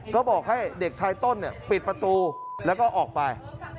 ก็บอกให้เด็กชายต้นปิดประตูแล้วก็ออกไป